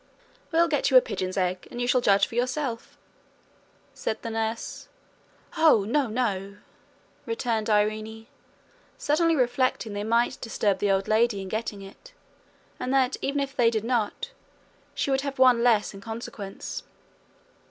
'We'll get you a pigeon's egg, and you shall judge for yourself,' said the nurse. 'Oh, no, no!' returned Irene, suddenly reflecting they might disturb the old lady in getting it, and that even if they did not, she would have one less in consequence.